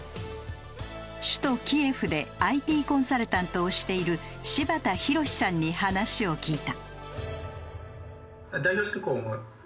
首都キエフでＩＴコンサルタントをしている柴田裕史さんに話を聞いた。